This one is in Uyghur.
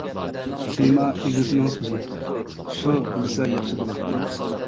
تېما ئىگىسىنىڭ سۆزى : شۇ بىلسە ياخشى بولاتتى.